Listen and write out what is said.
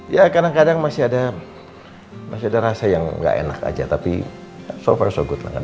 ya kadang kadang masih ada masih ada rasa yang gak enak aja tapi so far so good lah